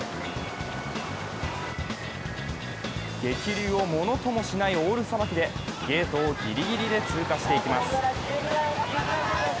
激流をものともしないオールさばきでゲートをぎりぎりで通過していきます。